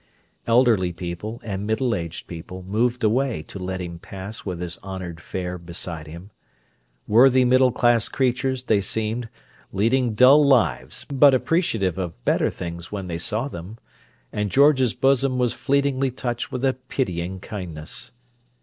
Elderly people and middle aged people moved away to let him pass with his honoured fair beside him. Worthy middle class creatures, they seemed, leading dull lives but appreciative of better things when they saw them—and George's bosom was fleetingly touched with a pitying kindness.